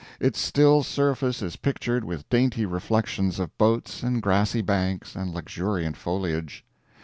Its still surface is pictured with dainty reflections of boats and grassy banks and luxuriant foliage.